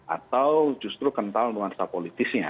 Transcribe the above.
atau justru kental dengan suatu politisnya